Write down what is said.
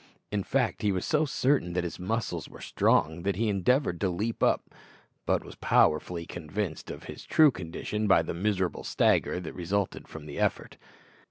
In fact, he was so certain that his muscles were strong that he endeavoured to leap up, but was powerfully convinced of his true condition by the miserable stagger that resulted from the effort.